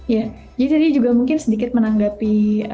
jadi tadi juga mungkin sedikit menanggapi